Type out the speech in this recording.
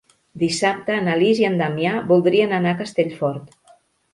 Dissabte na Lis i en Damià voldrien anar a Castellfort.